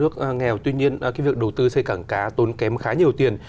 việt nam là một nước nghèo tuy nhiên cái việc đầu tư xây cảng cá tốn kém khá nhiều tiền